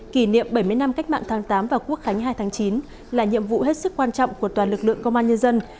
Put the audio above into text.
kỷ niệm bảy mươi năm cách mạng tháng tám và quốc khánh hai tháng chín là nhiệm vụ hết sức quan trọng của toàn lực lượng công an nhân dân